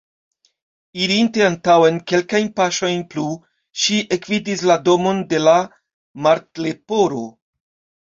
Irinte antaŭen kelkajn paŝojn plu, ŝi ekvidis la domon de la Martleporo.